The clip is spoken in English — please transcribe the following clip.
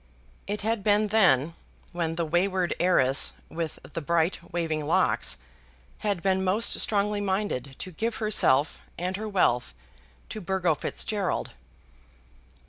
It had been then, when the wayward heiress with the bright waving locks had been most strongly minded to give herself and her wealth to Burgo Fitzgerald.